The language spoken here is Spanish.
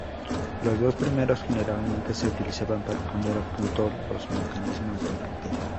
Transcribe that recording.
Los dos primeros generalmente se utilizaban para poner a punto los mecanismos de puntería.